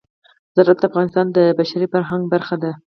زراعت د افغانستان د بشري فرهنګ برخه ده.